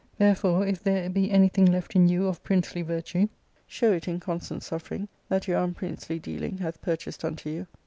Therefore, if there be anything left in you of princely virtue, show it in constant suffering that your unprincely dealing hath purchased unto you.